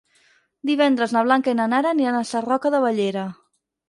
Divendres na Blanca i na Nara aniran a Sarroca de Bellera.